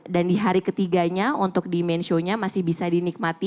dan di hari ketiganya untuk di main show nya masih bisa dinikmati